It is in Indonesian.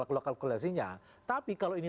kalau kalkulasinya tapi kalau ini